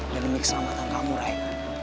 dan demi keselamatan kamu rai